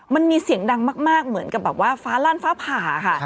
มันมีเสียงดังมากเหมือนกับฟ้าลั่นฟ้าผา